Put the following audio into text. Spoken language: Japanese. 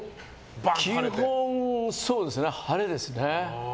基本、晴れですね。